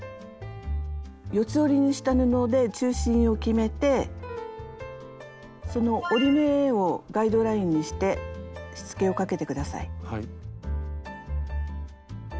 四つ折りにした布で中心を決めてその折り目をガイドラインにしてしつけをかけて下さい。